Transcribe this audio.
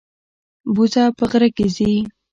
بوزه په غره کې ځي.